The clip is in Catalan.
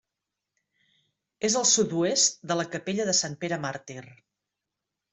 És al sud-oest de la capella de Sant Pere Màrtir.